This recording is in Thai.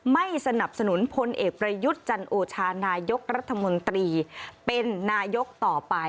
ไม่สนับสนุนพลเอกประยุทธ์จันโอชานายกรัฐมนตรีเป็นนายกต่อไป